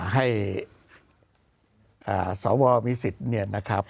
ให้สวมมีสิทธิ์